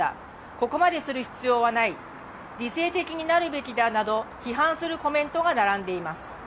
ここまでする必要はない理性的になるべきだなど、批判するコメントが並んでいます。